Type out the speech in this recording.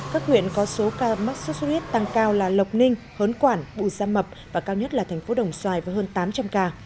các huyện có số ca mắc sốt xuất huyết tăng cao là lộc ninh hớn quản bùi gia mập và cao nhất là thành phố đồng xoài với hơn tám trăm linh ca